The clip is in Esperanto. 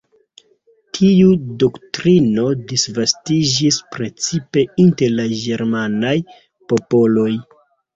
Tiu doktrino disvastiĝis precipe inter la ĝermanaj popoloj.